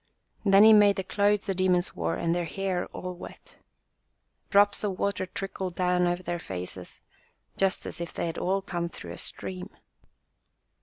Then he made the clothes the demons wore and their hair all wet. Drops of water trickled down over their faces just as if they had all come through a stream.